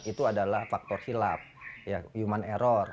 itu adalah faktor hilaf human error